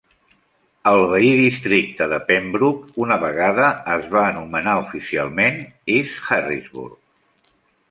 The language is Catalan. El veí districte de Penbrook, una vegada es va anomenar oficialment East Harrisburg.